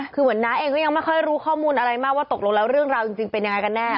คือเหมือนน้าเองก็ยังไม่ค่อยรู้ข้อมูลอะไรมากว่าตกลงแล้วเรื่องราวจริงเป็นยังไงกันแน่